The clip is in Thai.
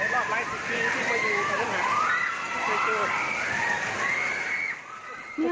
เลยรอบหลายสิบปีใช่ฟะ